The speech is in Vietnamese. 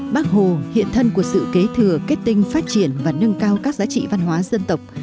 bác hồ hiện thân của sự kế thừa kết tinh phát triển và nâng cao các giá trị văn hóa dân tộc